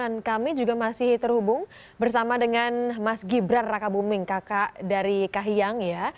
dan kami juga masih terhubung bersama dengan mas gibran raka buming kakak dari kahiyang ya